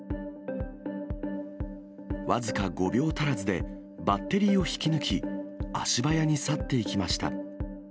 僅か５秒足らずでバッテリーを引き抜き、足早に去っていきました。